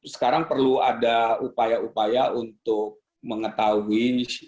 sekarang perlu ada upaya upaya untuk mengetahui